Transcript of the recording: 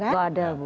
gak ada bu